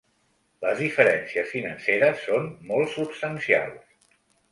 Les diferències financeres són molt substancials.